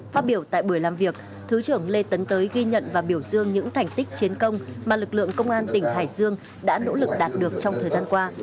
phát biểu tại buổi làm việc thứ trưởng lê tấn tới ghi nhận và biểu dương những thành tích chiến công mà lực lượng công an tỉnh hải dương đã nỗ lực đạt được trong thời gian qua